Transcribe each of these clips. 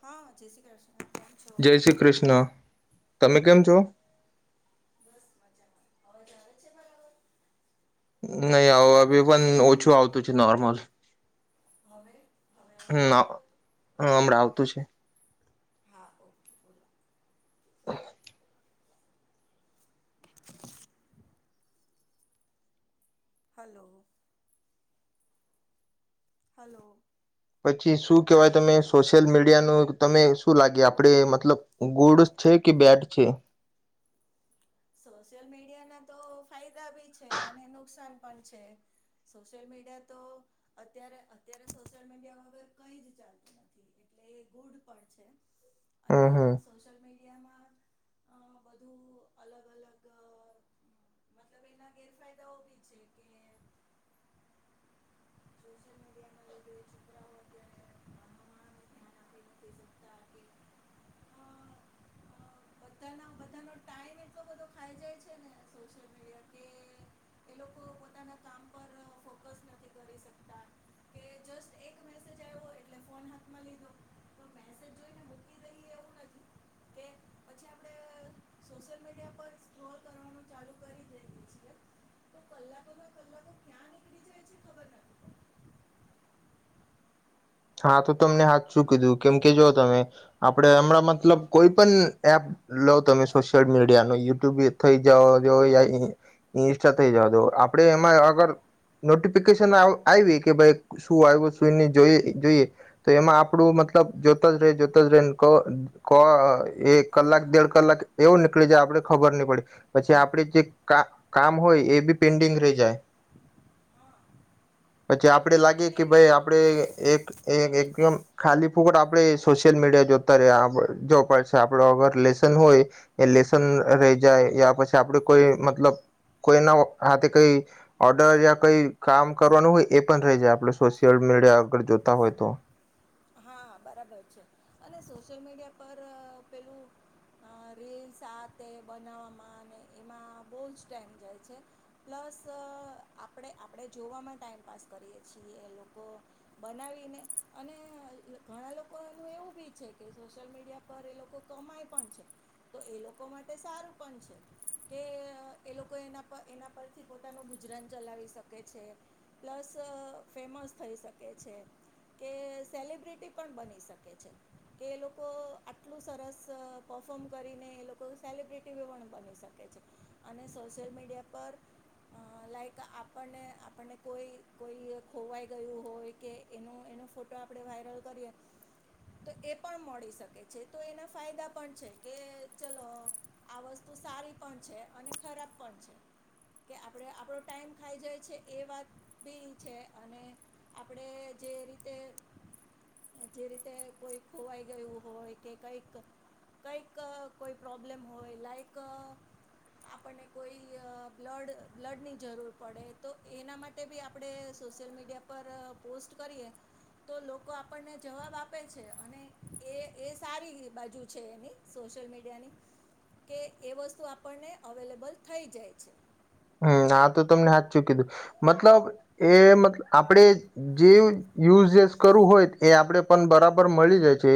હા જય શ્રી કૃષ્ણ કેમ છો? જય શ્રી કૃષ્ણ તમે કેમ છો? આવાજ આવે છે બરાબર? નહી આવ અબી પણ ઓછું આવતું છે નોર્મલ હવે? હવે આવે છે હમ્મ અહ બરાબર હા હમણાં આવતું છે હા ઓકે બોલો [inaudible] હલો હલો પછી શું કહેવાય તમે સોશિયલ મીડિયાનું તને શું લાગે આપડે મતલબ ગુડ છે કે બેડ છે? સોશિયલ મીડિયા ના તો ફાયદા બી છે અને નુકસાન પણ છે સોશિયલ મીડિયા તો અત્યારે અત્યારે સોશિયલ મીડિયા વગર કઈ જ ચાલતું નથી એટલે ગુડ પણ છે અને હમ હમ સોશલ મીડિયામાં અહ વધુ અલગ અલગ મતલબ એના ગેરફાયદાઓ બી છે કે સોશિયલ મીડિયાના લીધે છોકરાઓ અત્યારે ભણવામાં ને ધ્યાન આપી નથી સકતા કે અહ અહ બધા બધાનો ટાઈમ એટલો બધો ખાઈ જાય છે ને સોશિયલ મીડિયા કે એ લોકો પોતાના કામ પર ફોકસ નથી કરી સકતા કે જસ્ટ એક મેસેજ આવ્યો એટલે ફોન હાથમાં લીધો તો મેસેજ જોઈને મૂકી દઈએ એવું નથી કે પછી આપણેે સોશિયલ મીડિયા પર સ્ટ્રોલ કરવાનું ચાલુ કરી દેવે છે તો કલાકોમાં કલાકો ક્યાં નીકળી જાય છે ખબર નથી પડતી હા તો તમને હાચુ કીધું કેમ કે જોઓ તમે આપડે હમણાં મતલબ કોઈ પણ એપ લોવ તમે સોશિયલ મીડિયાનું યુટ્યુબ થઇ જવા જો યા ઈ ઇન્સ્ટા થઈ જવા જો આપડે એમાં આગળ નોટિફિકેશન આવ આયવી કે ભાઈ શું આયવું શું ન જોઈએ જોઈએ તો એમાં આપડું મતલબ જોતા જ રે જોતા જ રે ન ક ક એ કલાક દેડ કલાક એવું નીકળી જાય આપણે ખબર નહી પડે પછી આપડ જે કા કામ હોય એ બી પેન્ડિંગ રહી જાય પછી આપ આપડે લાગે અને કે એના ભાઈ આપડે એ એકદમ ખાલી ફુકટ આપડે સોશિયલ મીડિયા જોતા રે આપ જોવા પડશે આપડ અગર લેસન હોય એ લેસન રહી જાય યા પછી આપડ કોઈ મતલબ કોઈના હાથે કઈ ઓર્ડર યા કઈ કામ કરવાનું હોય એ પણ રહી જાય આપડ સોશિયલ મીડિયા આગળ જોતા હોય તો હા બરાબર છે અને સોશિયલ મીડિયા પર પેલું અ રીલ્સ આ તે બનાવવામાં અને એમાં બહુ જ ટાઈમ જાય છે. પ્લસ આપણે આપણે જોવામાં ટાઈમપાસ કરીએ છીએ, લોકો બનાવીને અને ઘણા લોકોનું એવું બી છે કે સોશિયલ મીડિયા પર એ લોકો કમાય પણ છે, તો એ લોકો માટે સારું પણ છે કે એ લોકો એના પર એના પરથી પોતાનું ગુજરાન ચલાવી શકે છે, પ્લસ ફેમસ થઈ શકે છે કે સેલિબ્ બિટી પણ બની શકે છે કે એ લોકો આટલું સરસ પફોમ કરીને એ લોકો સેલિબ્રિટી પણ બની શકે છે અને સોશિયલ મીડિયા પર લાઈક આપણને આપણને કોઈ કોઈ ખોવાઈ ગયું હોય કે એનો એનો ફોટો આપણે વાયરલ કરીએ તો એ પણ મળી શકે છે, તો એના ફાયદા પણ છે કે ચલો આ વસ્તુ સારી પણ છે અને ખરાબ પણ છે કે આપણે આપણો ટાઈમ ખાઈ જાય છે એ વાત બી છે અને આપણે જે રીતે જે રીતે કોઈ ખોવાઈ ગયું હોય કે કંઈક કંઈક કોઈ પ્રોબ્લેમ હોય લાઈક આપણને કોઈ બ્લડ બ્લડની જરૂર પડે તો એના માટે બી આપણે સોશિયલ મીડિયા પર પોસ્ટ કરીએ તો લોકો આ આપણને જવાબ આપે છે અને એ એ સારી બાજુ છે એની સોશિયલ મીડિયાની કે એ વસ્તુ આપણને અવેલેબલ થઈ જાય છે. હુ આ તો તમને હાથચૂ કીધું મતલબ એ મ આપણેે જે યુઝસ કરવું હોય એ આપણેે પણ બરાબર મળી જાય છે.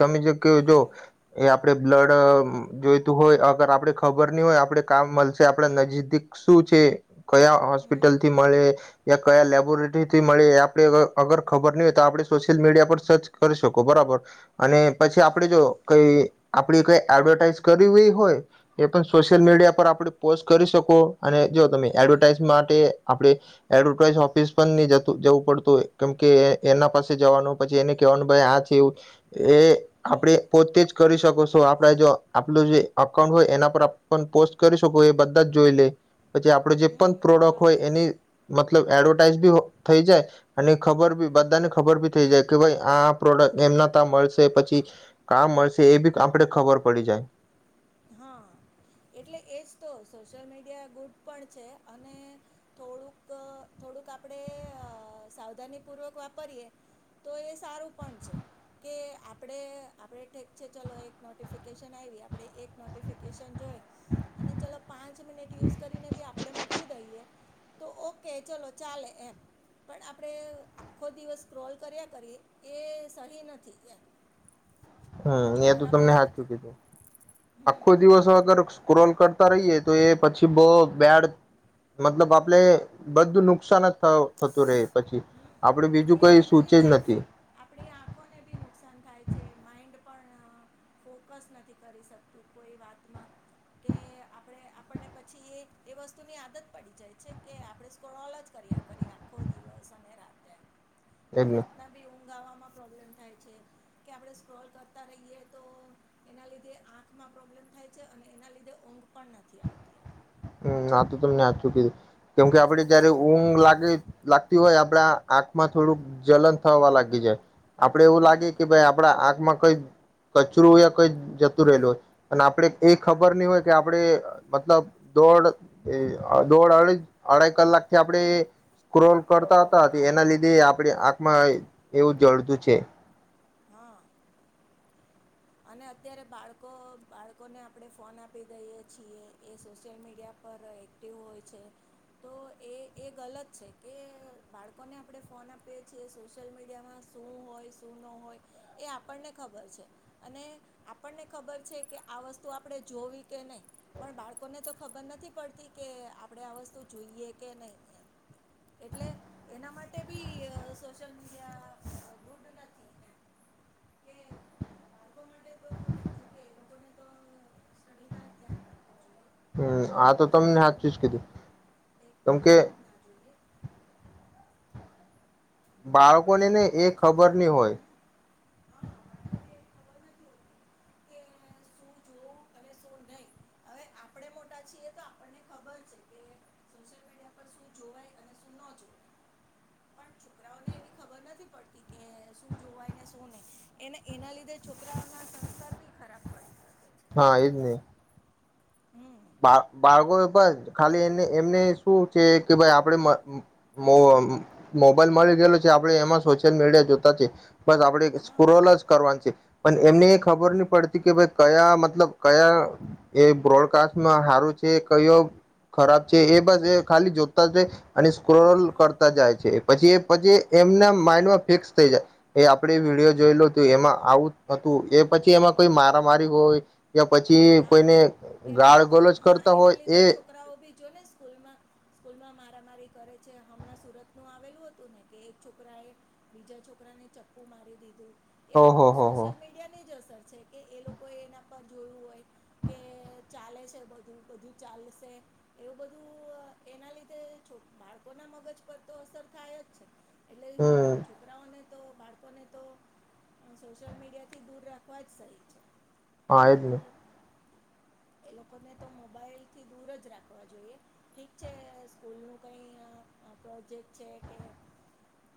તમે જે કયો તો, હમ એ આપ આપણે બ્લડ જોઈતું હોય અગર આપડે ખબર નહી હોય આપણે કામ મળશે આપડા નજીદીક શું છે કયા હમ હોસ્પિટલ થી મળે યા કયા લેબોરેટરીથી મળે એ આપે અગર ખબર નહી હોય તો આપણે સોશિયલ મીડિયા પર સર્ચ કરી શકો બરાબર અને હ પછી આપડે જો કઈ આપડી કઈ એડવર્ટાઈઝ કરવી હોય એ પણ સોશિયલ મીડિયા પર આપણે પોસ્ટ કરી શકો. અને જો તમે હમ એડવર્ટાઈઝ માટે આપણે એડવર્ટાઈઝ ઓફિસ પણ નહી જતું જવું પડતું કેમ કે એના પાસે જવાનું પછી એને કેહેવાનું ભાઈ આ છે એવું એ આપણે હમ પોતે જ કરી શકો છું આપણે જો આપલું જે અકાઉન્ટ હોય એના પર પોસ્ટ કરી શકો એ બધા જ જોઈ લે. પછી આપડું જે હમ પ્રોડક્ટ હોય આરામથી એની મલબ મતલબ એડવર્ટાઈઝ બી થઈ જાય અને ખબર બી બધાને ખબર બી થઈ જાય કે ભાઈ આ પ્રોડક્ટ એમના ત્યા મળશે પછી કા મળશે એ બી આપડે ખબર પડી જાય. હા એટલે એ જ તો સોશિયલ મીડિયા ગુડ પણ છે અને થોડુંક થોડુંક આપણે સાવધાનીપૂર્વક વાપરીએ તો એ સારું પણ છે કે આપણે આપણે ઠેક છે ચલો એક નોટિફિકેશન આયવી આપણે એક નોટિફિકેશન જોઈ અને ચલો પાંચ મિનિટ યુઝ કરીને બી આપણે મૂકી દઈએ તો ઓકે ચલો ચાલે એમ. પણ આપણેે આખો દિવસ સ્ક્રોલ કર્યા કરી એ સહી નથી એમ. હમ્મ. એ તો બરાબર તમે હાચું નથી કીધું. હમ આખો દિવસ અગર સ્ક્રોલ કરતા રહીએ તો એ પછી બહુ બેડ મતલબ આપણે બધું નુકસાન જ થ થતું રહે પછી. આપ હમ એ એના લીધે આપણી-આપણી આંખોને બી નુકસાન થાય છે. માઇન્ડ પણ ફોકસ નથી કરી શકતું કોઈ વાતમાં, કે આપણે આપણને પછી એ-એ વસ્તુની આદત પડી જાય છે કે આપણે સ્ક્રોલ જ કર્યા કરીએ આખો દિવસ અને રાત્રે. ને એને રાતના ભી હું ઊંઘા આવાવામાં પ્રોબ્લેમ થાય છે, કે આપણે સ્ક્રોલ કરતા રહીએ તો એના લીધે આંખમાં પ્રોબ્લેમ થાય છે, અને એના લીધે ઊંઘ પણ નથી આવતી આપણને હમ્મ, આ તો તમે હાચું કીધું. કેમ કે આપડે જયારે ઊંઘ લાગવી લાગતી હોય આપડા આંખમાં થોડુંક જલન થવા લાગી જાય, આપડે એવું લાગે કે હમ ભાઈ આપડા આંખમાં કંઈ કચરું યા કંઈ જતું રહેલું હોય, અને આપડે એ ખબર નહીં હોય કે આપણે મતલબ દોડ એ દોડ અરી અઢઈ કલાક થી આપણે સ્ક્રોલ કરતા તા તચ એના લીધે આપણે આંખમાં એવું જલતું છે. હા અને અત્યારે બાળકો-બાળકોને આપણે ફોન આપી દઈએ છીએ, એ સોશિયલ મીડિયા પર એક્ટિવ હોય છે, તો એ-એ ગલત છે, કે બાળકોને આપણે ફોન આપીએ છીએ, સોશિયલ મીડિયામાં શું હોય, શું ન હોય એ આપણને ખબર છે. અને આપણને ખબર છે કે આ વસ્તુ આપણે જોવી કે નહીં, પણ બાળકોને તો ખબર નથી પડતી કે આપણે આ વસ્તુ જોઈએ કે નહીં, એટલે એના માટે બી અહ સોશિયલ મીડિયા ગુડ નથી. કે બાળકો માટે તો જો કે એ [inaudible] લોકોને તો સ્ટડીમાં જ ધ્યાન રાખવું જોઈએ હમ્મ. એ આ લોકો તો તમને સોશિયલ હાચું જ મીડિયા કીધું. પર કેમ એક્ટિવ કે રહેવું જ ના જોઈએ પણ બાળકોને આ ને લોકો એ ખબર છોકરાઓ નહીં હોય હા બાળકોને [unintelligible] કે શું જોઉં અને શું નહીં, હવે આપણે મોટા છીએ તો આપણને ખબર છે કે સોશિયલ મીડિયા પર શું જોવાય અને શું ન જોવાય, પણ છોકરાઓને એવી ખબર નથી પડતી કે શું જોવાય, ને શું નહીં, એને એના લીધે છોકરાઓનો હા એજ ને. હમ્મ. બા બાળકોએ પણ ખાલી એને એમને શું છે કે ભઈ આપણે મ મો મોબાઈલ મળી ગયેલો છે આપણે એમાં સોશિયલ મીડિયા જોતા છે, બસ આપણે હા સ્ક્રોલ જ કરવાનો છે, પણ એમને એ ખબર હમ નહી પડતી કે ભઈ કયા મતલબ કયા એ બ્રોડકાસ માં હારું છે, કયો ખરાબ છે, એ બસ એ ખાલી જોતા જાય અને સ્ક્રોલ હા કરતા જાય છે. એ પછી એ પછી એમના માઈન્ડમાં ફિક્સ થઈ જાય, એ આપણે વિડીયો જોઈ લો તો એમાં આવું જ હતું, એ હમ પછી એમાં કોઈ મારા મારી હોય યા પછી હા કોઈને એના ગાળ લીધે હા એના લીધે છોકરાઓ બી જો ને સ્કૂલમાં સ્કૂલમાં મા મારામારી કરે છે હમણાં સુરતનું આવેલું હતું ને કે એક છોકરાએ બીજા છોકરાને ચપ્પું મારી દીધું. એ આ ઓહો બધું હો હો સોશિયલ મીડિયા ને જ અસર છે કે એ લોકો એ એના પર જોયું હોય કે ચાલે છે બધું, બધું ચાલશે એવું બધું એના લીધે બાળકો ના મગજ પર તો અસર થાય જ છે. એટલે હમ છોકરાઓને બાળકોને તો સોશિયલ મીડિયા થી દૂર રાખવા જ સહી છે. હા એ જ ને. એ લોકોને તો મોબાઈલ થી દૂર જ રાખવા જોઈએ, ઠીક છે સ્કૂલ નું કઈ પ્રોજેક્ટ છે કે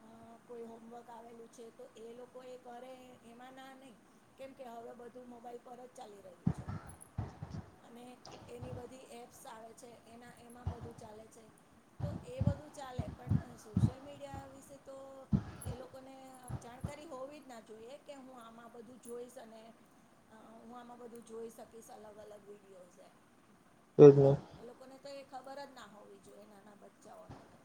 અ કોઈ હોમવર્ક આવેલું છે તો એ લોકો એ કરે એમાં ના નહી કેમકે હવે બધું મોબાઈલ પર જ ચા એની બધી એપ્સ આવે છે, એના એમાં બધું ચાલે છે તો એ બધું ચાલે પણ સોશિયલ મીડિયા વિશે તો એ લોકોને જાણકારી હોવી જ ના જોઈએ કે હું આમાં બધું જોઈશ અને હું આમાં બધું જોઈ શકીશ અલગ અલગ વિડીયો છે. તે જ ને તો એ ખબર જ ના હોવી જોઈએ નાના બચ્ચાઓને તો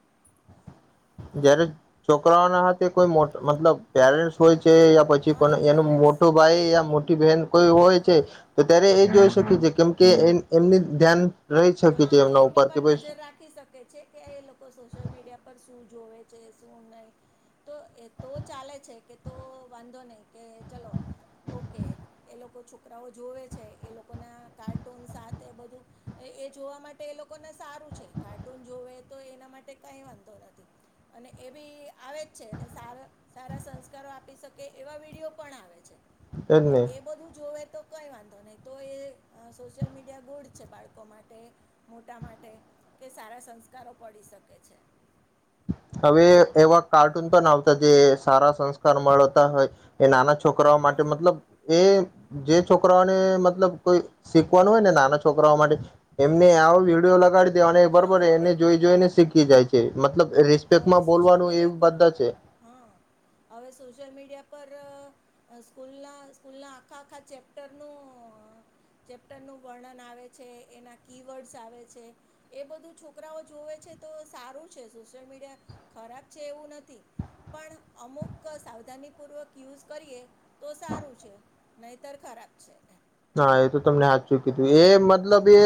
જયારે છોકરાઓ ના તે કોઈ મો મતલબ પેરેન્ટ્સ હોય છે યા પછી કો હા એનું પેરેન્ટ્સ મોટું ભાઈ યા તી બેન કોઈ હોય છે હા તો ત્યારે એ જો શ છે કેમ કે એ એમની ધ્યાન રહી શકે છે હા એમના એમની ઉપર કે પર ભાઈ નજર રાખી શકે છે કે એ લોકો સોશિયલ મીડિયા પર શું જોવે છે શું નહી તો એ તો ચાલે છે કે તો વાંધો નહીિ કે ચલો ઓકે એ લોકો છોકરાઓ જોવે છે એ લોકો ના કાર્ટૂન સાથે બધું એ જોવા માટે એ લોકોને સારું છે કાર્ટૂન જોવે તો એના માટે કાંઈ વાંધો નથી અને એ બી આવે જ છે અનેને સારા સારા સંસ્કારો આપી શકે એવા વિડીયો પણ આવે છે એજ તો ને એ બધું જોવે તો કઈ વાંધો નહી તો એ સોશિયલ મીડિયા ગોડ છે બાળકો લોકો માટે મોટા માટે કે સારા સંસ્કારો પડી શકે છે. હવે એવા કાર્ટૂન પણ આવતા જે સારા સંસ્કાર મળતા હોય એ નાના છોકરાઓ માટે હં મતલબ એ જે છોકરાઓને હં મતલબ કોઈ શીખવાનું હોય ને નાના છોકરાઓ માટે એમને આવો વિડીયો લગાડી હં બરોબર હવે એને જોઈ જોઈને શીખ ખી જાય છે. મતલબ હવે રિસ્પેક્ટમાં સોશિયલ બોલવાનું એ મીડિયા પર બધા છે હા હવે સોશિયલ મીડિયા. પર સ્કૂલના સ્કૂલના આખા આખા ચેપ્ટરનું ચેપ્ટરનું વર્ણન આવે છે એના કીવર્ડ્સ આવે છે હ એ બધું છોકરાઓ જવે છે તો સારું છે. સોશિયલ મીડિયા ખરાબ છે એવું નથી પણ અમુક સાવધાનીપૂર્વક યુઝ કરીએ તો સારું છે નહીતર ખરાબ છે. હા એ તો તમને હાચુ કીધું એ મતલબ એ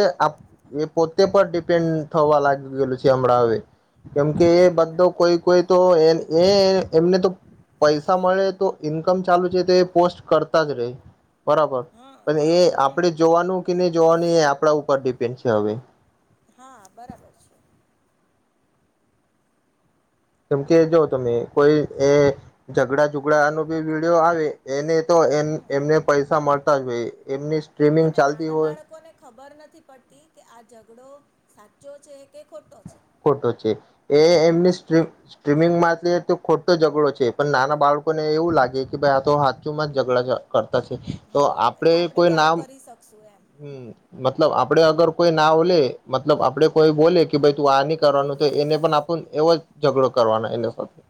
એ પોતે પર ડિપેન્ડ થવા લાગી ગયેલું છે હમણાં હવે કેમકે એ બધો કોઈ કોઈ તો એ એ એમને તો પૈસા મળે તો ઈન્કમ ચાલુ છે તો એ પોસ્ટ કરતા જ રહી બરાબર હા પણ એ હમ આપડે જોવાનું કેને જોવાની એ આપણા ઉપર ડિપેન્ડ છે હવે હા બરાબર છે. કેમ કે જો તમે કોઈ એ ઝઘડા ઝુઘડાનો બી વિડીયો આવે એને તો એ હમ એમને પૈસા મળતા જ હોય એમની ગેમિંગ અને ચાલતી નાના હોય બાળકોને ખબર નથી પડતી કે આ ઝઘડો સાચો છે કે ખોટો છે. ખોટો છે એ એમની હમ સ્ટ્રીમિંગ માં તો ખોટો ઝઘડો છે પણ નાના બાળકો ને એવું લાગે કે ભાઈ આ તો હાથચુમાં જ ઝઘડા કર તા છે તો હા આપડે એટલે કોઈ બી આવું નામ કરી શકશું એમ હમ મતલબ આપડે અગર કોઈ ના ઓલે મતલબ આપડે કોઈ બોલે કે તું આની કરવાનું તો એને પણ આપણું એવો જ ઝઘડો કરવાનો એના સાથે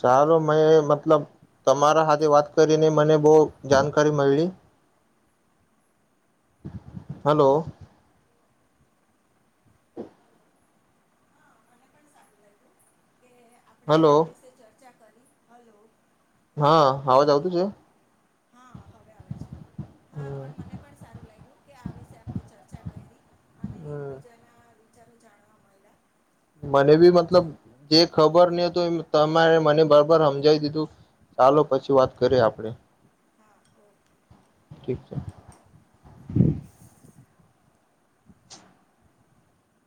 ચાલો મેં મતલબ તમારા હાથે વાત કરીને મને બહુ જાણકારી મળી હલો કે આપણે હલો આ [inaudible] હલો હા અવાજ આવતું છે હા હવે આવે છે હા હમ પણ મને પણ સારું લાગ્યું કે આ વિષ આપણે ચર્ચા કરી હમ્મ. ચારુ જાણવા મયલા. મને બી મતલબ જે ખબર હમ ની હ તો એ તમારે મને બરાબર સમજાવી દીધું. ચાલો પછી વાત કરીએ આપડે. હા ઓકે ઠીક છે.